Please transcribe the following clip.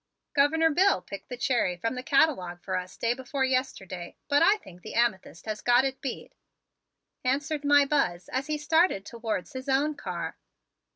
"Governor Bill picked the cherry from the catalogue for us day before yesterday, but I think the amethyst has got it beat," answered my Buzz as he started towards his own car.